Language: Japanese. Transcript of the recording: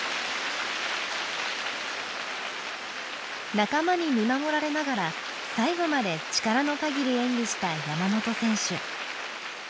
仲間に見守られながら最後まで力の限り演技した山本選手。